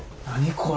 これ。